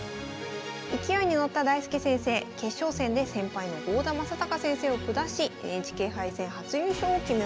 勢いに乗った大介先生決勝戦で先輩の郷田真隆先生を下しＮＨＫ杯戦初優勝を決めました。